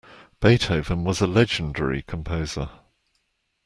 Beethoven was a legendary composer.